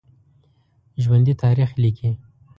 ژوندي تاریخ لیکي